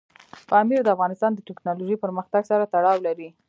پامیر د افغانستان د تکنالوژۍ پرمختګ سره تړاو لري.